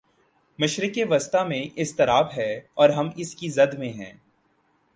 مشرق وسطی میں اضطراب ہے اور ہم اس کی زد میں ہیں۔